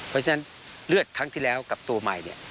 เพราะฉะนั้นเลือดครั้งที่แล้วกับตัวใหม่เนี่ย